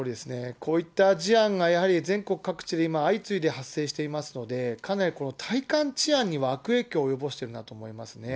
こういった事案がやはり全国各地で今、相次いで発生していますので、かなり体感治安には悪影響を及ぼしているなと思いますね。